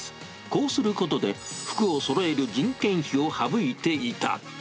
こうすることで、服をそろえる人件費を省いていた。